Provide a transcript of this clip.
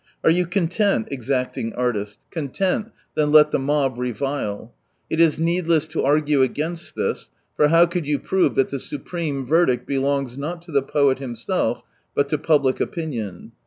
" Are you content, exacting artist ? Con 196 tent, then let the mob revile." It is need less to argue against this, for how could you prove that the supreme verdict belongs not to the poet himself, but to public opinion?